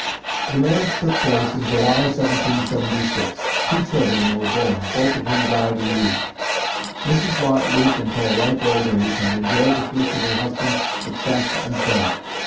The marriage took place in July, 1776. Two children were born, both of whom died in youth. Mrs. Watt lived until a ripe old age and enjoyed the fruits of her husband's success and fame.